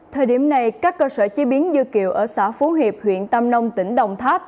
thời điểm này các cơ sở chế biến dưa kiệu ở xã phú hiệp huyện tâm nông tỉnh đồng tháp